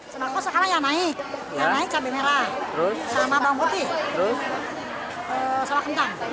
sekarang yang naik yang naik cabai merah sama bawang putih sama kentang